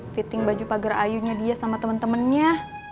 fitting baju pak gerayu nya dia sama temen temennya